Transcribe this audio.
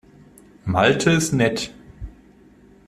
Malte ist nett.